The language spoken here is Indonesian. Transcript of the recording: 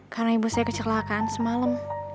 karena ibu saya kecelakaan semalam